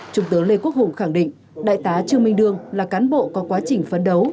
trung tướng lê quốc hùng khẳng định đại tá trương minh đương là cán bộ có quá trình phấn đấu